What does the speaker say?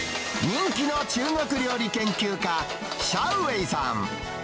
人気の中国料理研究家、シャウ・ウェイさん。